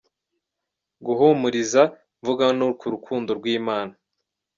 guhumuriza mvuga no ku rukundo rw’Imana.